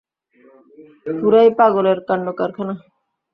পুরাই পাগলের কান্ডকারখানা।